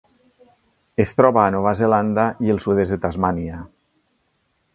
Es troba a Nova Zelanda i el sud-est de Tasmània.